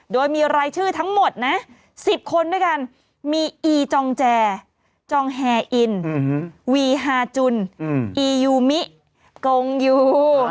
โดยมีรายชื่อทั้งหมดนะ๑๐คนด้วยกันมีอีจองแจจองแฮอินวีฮาจุนอียูมิกงยู